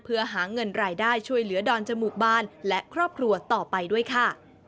เพื่อหาเงินรายได้ช่วยเหลือดอนจมูกบานและครอบครัวต่อไปด้วยค่ะ